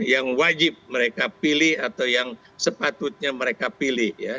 yang wajib mereka pilih atau yang sepatutnya mereka pilih ya